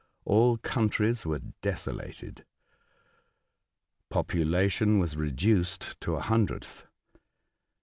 All countries were desolated ; population was re duced to a hundredth.